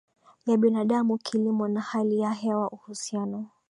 ya binadamu kilimo na hali ya hewaUhusiano